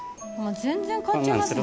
全然変わっちゃいますね。